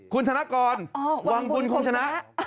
คุณธนกรวังบุญคงชนะ